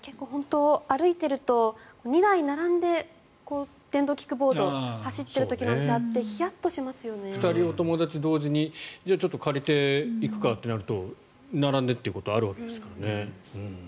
歩いていると２台並んで電動キックボードが走っている時があって２人でお友達と一緒にちょっと借りていくかとなると並んでということがあるわけですからね。